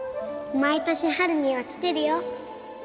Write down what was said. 毎年春には来てるよ。